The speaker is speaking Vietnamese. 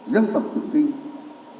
giác phẩm thực tinh